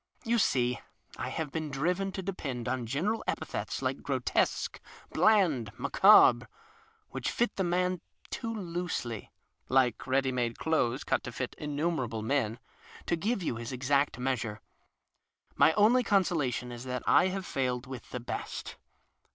You see, I have been driven to dcjiend on general epithets like grotesque, bland, macabre, whicli fit the man too loosely (like ready made elothes eut to fit innumer able men) to give you his exaet measure. My only consolation is that I have failed with the best.